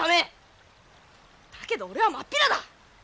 だけど俺は真っ平だ！